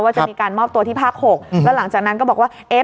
จะมีการมอบตัวที่ภาค๖แล้วหลังจากนั้นก็บอกว่าเอ๊ะ